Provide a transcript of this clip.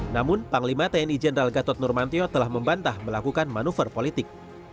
namun panglima tni jenderal gatot nurmantio telah membantah melakukan manuver politik